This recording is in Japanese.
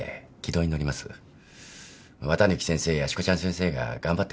綿貫先生やしこちゃん先生が頑張ってくれてますから。